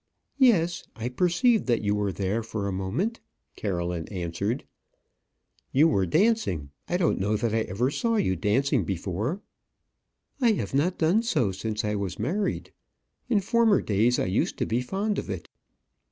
"Yes; I perceived that you were there for a moment," Caroline answered. "You were dancing. I don't know that I ever saw you dancing before." "I have not done so since I was married. In former days I used to be fond of it."